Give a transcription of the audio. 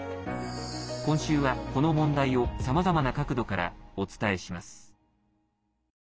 今週は、この問題をさまざまな角度からお伝えします。